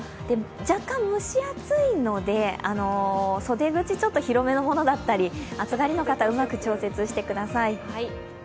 若干蒸し暑いので、袖口ちょっと広めのものだったり暑がりの方、うまく調節してください。